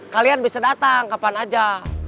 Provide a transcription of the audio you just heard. kalian bisa datang kapan aja